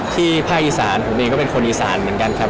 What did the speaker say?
ภาคอีสานผมเองก็เป็นคนอีสานเหมือนกันครับ